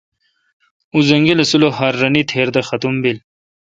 اں زنگلہ سلوخار رنے تیر دا ختم بیل۔